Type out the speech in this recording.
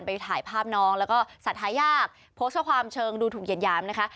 ไปถ่ายภาพน้องแล้วก็สัตว์หายากโพสต์ข้อความเชิงดูถูกเหยียดหยามนะคะ